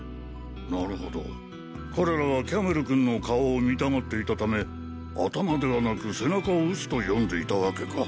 なるほど彼らはキャメル君の顔を見たがっていたため頭ではなく背中を撃つと読んでいたわけか。